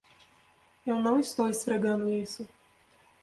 Eu não estou esfregando isso.